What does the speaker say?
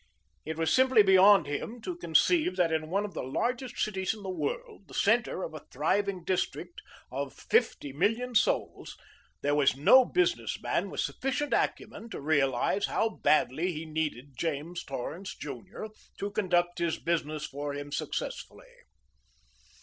It was simply beyond him to conceive that in one of the largest cities in the world, the center of a thriving district of fifty million souls, there was no business man with sufficient acumen to realize how badly he needed James Torrance, Jr., to conduct his business for him successfully.